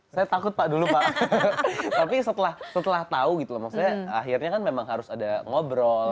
saya takut pak dulu pak tapi setelah tahu gitu loh maksudnya akhirnya kan memang harus ada ngobrol